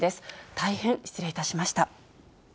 大変失礼いたしました。